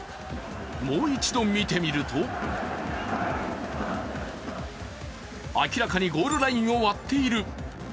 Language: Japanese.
もう一度見てみると、明らかにゴールラインを割っている。